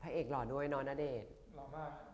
เอกหล่อด้วยน้องณเดชน์หล่อมาก